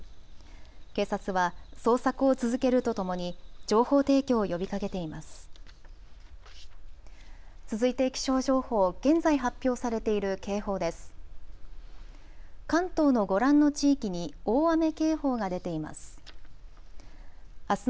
警察は捜索を続けるとともに情報提供を呼びかけています。